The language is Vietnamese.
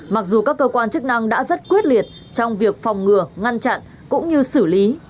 mặc dù các cơ quan chức năng đã rất quyết liệt trong việc phòng ngừa ngăn chặn cũng như xử lý